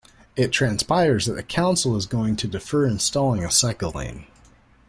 It transpires that the council is going to defer installing a cycle lane.